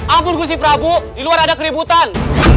ampun gusti prabu di luar ada keributan